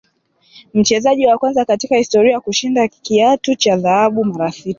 Mchezaji wa kwanza katika historia kushinda kiatu cha dhahabu mara sita